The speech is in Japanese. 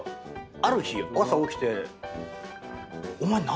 ある日朝起きてお前何？